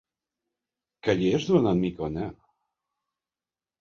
Calles durant una micona?